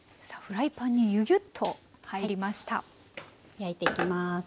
焼いていきます。